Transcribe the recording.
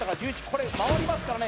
これ回りますからね